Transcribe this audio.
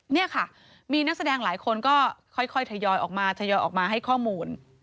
นี่ค่ะมีนักแสดงหลายคนก็ค่อยทยอยออกมาทยอยออกมาให้ข้อมูล